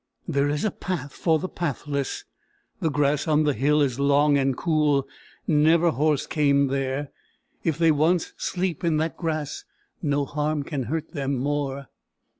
There is a path for the pathless. The grass on the hill is long and cool. Never horse came there. If they once sleep in that grass, no harm can hurt them more.